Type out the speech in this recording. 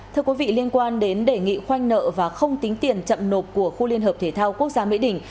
thưa quý vị liên quan đến đề nghị khoanh nợ và không tính tiền chậm nộp của khu liên hợp thể thao quốc gia mỹ đình